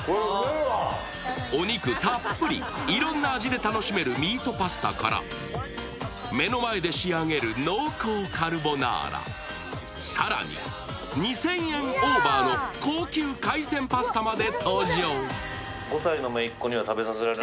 お肉たっぷり、いろいろな味で楽しめるミートパスタから、目の前で仕上げる濃厚カルボナーラ、更に２０００円オーバーの高級海鮮パスタまで登場。